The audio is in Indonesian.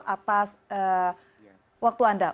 atas waktu anda